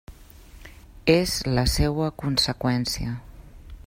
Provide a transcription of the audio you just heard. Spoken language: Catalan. És la seua conseqüència.